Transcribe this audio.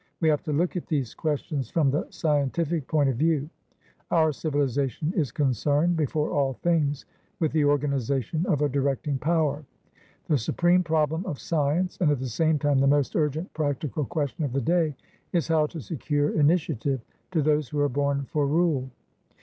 We have to look at these questions from the scientific point of view. Our civilisation is concerned, before all things, with the organisation of a directing power; the supreme problem of science, and at the same time the most urgent practical question of the day, is how to secure initiative to those who are born for rule.